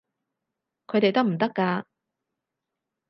佢哋得唔得㗎？